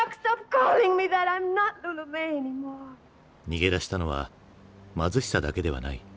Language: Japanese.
逃げ出したのは貧しさだけではない。